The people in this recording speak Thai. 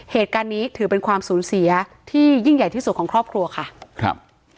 เหตุการณ์นี้ถือเป็นความสูญเสียที่ยิ่งใหญ่ที่สุดของครอบครัวค่ะครับ